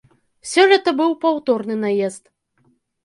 Сёлета быў паўторны наезд.